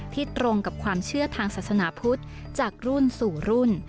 ตรงกับความเชื่อทางศาสนาพุทธจากรุ่นสู่รุ่น